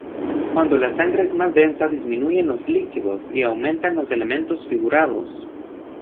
Cuando la sangre es más densa disminuyen los líquidos y aumentan los elementos figurados.